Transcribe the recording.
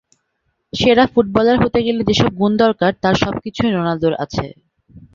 সেরা ফুটবলার হতে গেলে যেসব গুণ দরকার তার সবকিছুই রোনালদোর আছে।